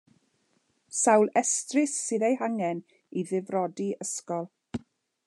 Sawl estrys sydd ei hangen i ddifrodi ysgol?